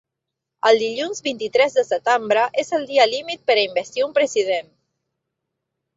El dilluns vint-i-tres de setembre és el dia límit per a investir un president.